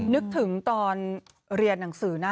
นึกถึงตอนเรียนหนังสือนะ